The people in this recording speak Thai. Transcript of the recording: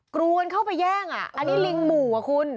กลัวกันเข้าไปแย่งอ่ะอันนี้ลิงหมู่อ่ะคุณ